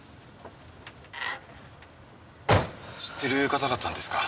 知ってる方だったんですか？